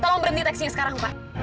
pak tolong berhenti taksinya sekarang pak